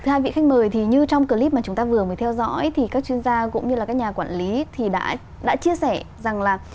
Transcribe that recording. hai vị khách mời thì như trong clip mà chúng ta vừa mới theo dõi thì các chuyên gia cũng như là các nhà quản lý thì đã chia sẻ rằng là